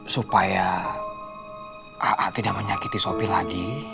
supaya aa tidak menyakiti sopi lagi